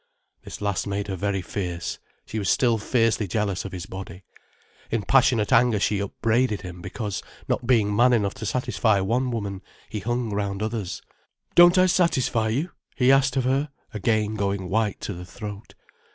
This last made her very fierce. She was still fiercely jealous of his body. In passionate anger she upbraided him because, not being man enough to satisfy one woman, he hung round others. ["Don't I satisfy you?" he asked of her, again going white to the throat.